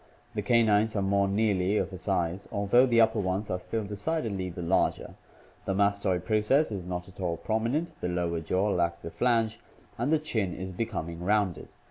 The canines are more nearly of a size; although the upper ones are still decidedly the larger. The mastoid process is not at all prominent, the lower jaw lacks the flange, and the chin is becoming rounded.